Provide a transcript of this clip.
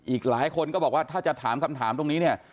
อีกหลายคนก็บอกว่าถ้าจะถามคำถามตรงนี้เนี่ย